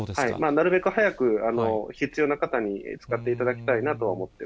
なるべく早く、必要な方に使っていただきたいなとは思って